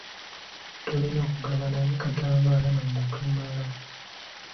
Tolina kugabana katambaala na muntu mulala.